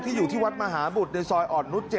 อยู่ที่วัดมหาบุตรในซอยอ่อนนุษย๗